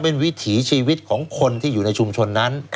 เป็นวิถีชีวิตของคนที่อยู่ในชุมชนนั้น